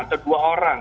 atau dua orang